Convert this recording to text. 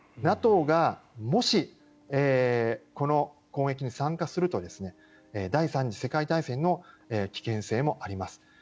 ＮＡＴＯがもし、この攻撃に参加すると第３次世界大戦の危険性もあります。